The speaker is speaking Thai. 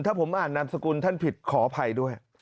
ถ้าผมอ่านนามสกุลท่านผิดขออภัยด้วย